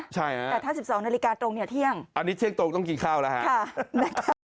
ใช่นะครับอันนี้เที่ยงตรงต้องกินข้าวแล้วฮะค่ะนะครับ